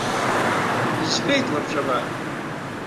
Избеит лабҿаба.